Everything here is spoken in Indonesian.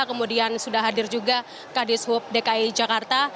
kemudian sudah hadir juga kadis hub dki jakarta